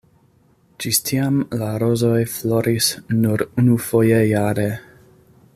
Ĝis tiam la rozoj floris nur unufoje jare.